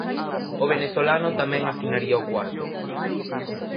O venezolano tamén asinaría o cuarto.